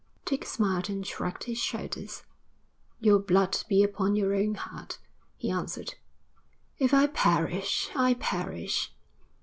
Dick smiled and shrugged his shoulders. 'Your blood be upon your own head,' he answered. 'If I perish, I perish.'